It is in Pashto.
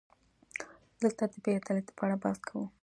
دلته د بې عدالتۍ په اړه بحث کوو.